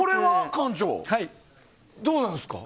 館長どうなんですか。